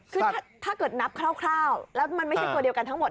คือถ้าเกิดนับคร่าวแล้วมันไม่ใช่ตัวเดียวกันทั้งหมด